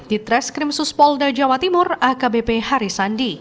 di tres krimsus polda jawa timur akbp hari sandi